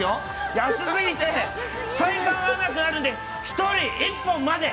安すぎて採算が合わなくなるので１人１本まで。